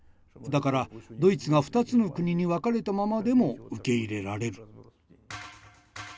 だからドイツが２つの国に分かれたままでも受け入れられる」。